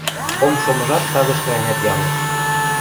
Ом шомыжат тагышкы-ӓнят ямеш.